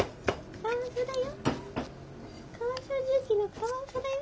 「カワウソだよ。